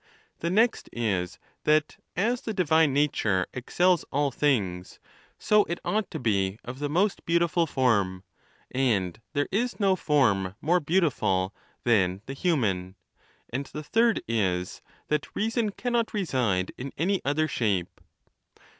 ,The next is, that as the divine nature excels all things, so it ought to be of the most beautiful form, and there is no form more beau tiful than the human ; and the third is, that reason cannot reside in any other shape.